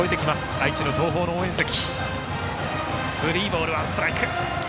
愛知・東邦の応援席。